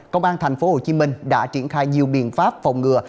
công an tp hcm đã triển khai nhiều biện pháp phòng ngừa